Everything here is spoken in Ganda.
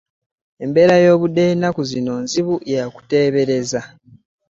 Embeere y'obudde y'enaku zino nzibu yakuteebereza.